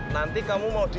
lagi ada buddha